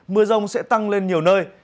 mưa rông sẽ tăng lên nhiều nơi